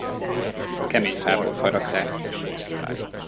Kemény fából faragták.